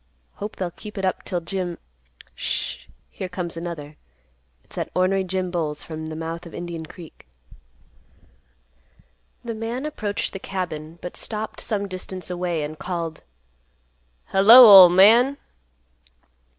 Hope they'll keep it up 'till Jim—Sh—h—h Here comes another. It's that ornery Jim Bowles from the mouth of Indian Creek." The man approached the cabin, but stopped some distance away and called, "Hello, ol' man!"